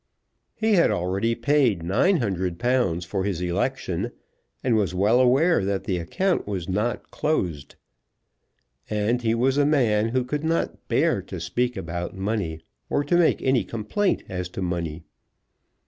He had already paid £900 for his election, and was well aware that the account was not closed. And he was a man who could not bear to speak about money, or to make any complaint as to money.